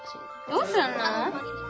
どうすんの。